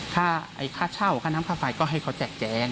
ค่าเช่าค่าน้ำค่าไฟก็ให้เขาแจกแจง